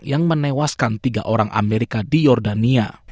yang menewaskan tiga orang amerika di jordania